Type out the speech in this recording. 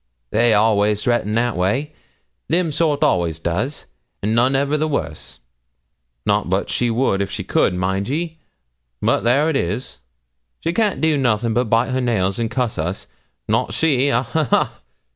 They always threatens that way them sort always does, and none ever the worse not but she would if she could, mind ye, but there it is; she can't do nothing but bite her nails and cuss us not she ha, ha, ha!'